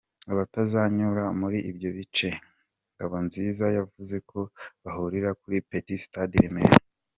Abatazanyura muri ibyo bice, Ngabonziza yavuze ko bahurira kuri Petit Stade i Remera.